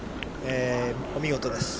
お見事です。